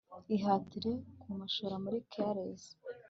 Ihatire kumushora muri caresses